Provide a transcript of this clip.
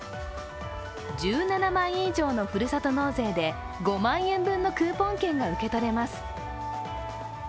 １７万円以上のふるさと納税で５万円分のクーポン券が受け取れます。